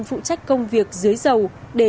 phụ trách công việc dưới dầu để